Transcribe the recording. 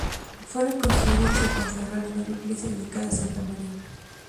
Fue reconstruido y se consagró la nueva iglesia, dedicada a Santa María.